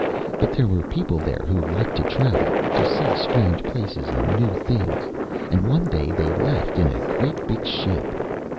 But there were people there who liked to travel to see strange places and new things, and one day they left in a great big ship."